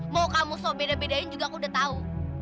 mau kamu sok beda bedain juga aku udah tahu